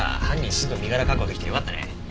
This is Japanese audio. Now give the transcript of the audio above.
すぐ身柄確保出来てよかったね。